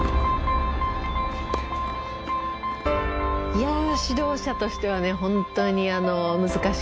いや指導者としては本当に難しくて。